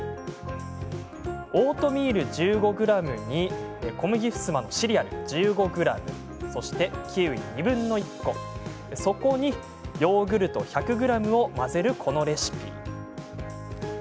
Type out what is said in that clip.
オートミール１５ｇに小麦ふすまのシリアル１５ｇキウイ２分の１個そこにヨーグルト１００ｇを混ぜる、このレシピ。